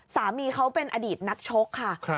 สามีเขาเป็นอดีตนักชกค่ะ